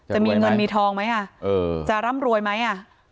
จะมีเงินมีทองไหมจะร่ำรวยไหมอ่ะ